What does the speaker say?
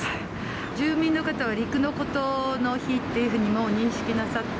住民の方は陸の孤島の日っていうふうに、もう認識なさって。